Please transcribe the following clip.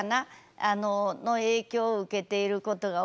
の影響を受けていることが多いので。